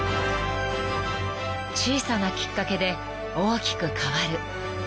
［小さなきっかけで大きく変わる］